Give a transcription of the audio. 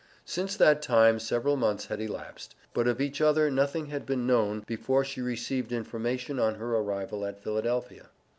Since that time several months had elapsed, but of each other nothing had been known, before she received information on her arrival at Philadelphia.